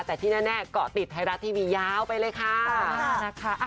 แต่ที่แน่เกาะติดไทยรัฐทีวียาวไปเลยค่ะ